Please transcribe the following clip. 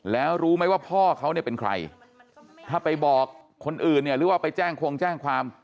แล้วรู้ไหมว่าพ่อเขาเนี่ยเป็นใครถ้าไปบอกคนอื่นเนี่ยหรือว่าไปแจ้งคงแจ้งความ